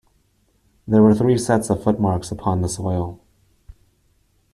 There were three sets of footmarks upon the soil.